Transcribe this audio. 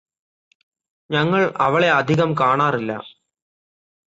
ഞങ്ങള് അവളെ അധികം കാണാറില്ല